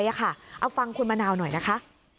เอาฟังคุณมะนาวหน่อยนะคะ